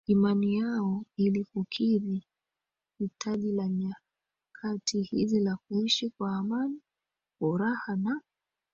imani yao ili kukidhi hitaji la nyakati hizi la kuishi kwa amani furaha na